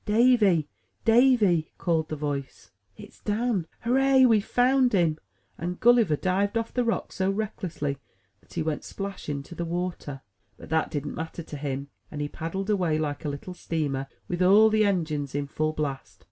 ''Davy, Davy!" called the voice. "It's Dan. Hurrah, we've found him!" and Gulliver dived off the rocks so recklessly that he went splash into the water. But that didn't matter to him; and he paddled away, like a little steamer with all the engines in full blast.